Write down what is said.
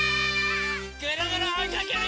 ぐるぐるおいかけるよ！